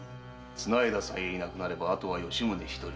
綱條さえいなくなればあとは吉宗一人。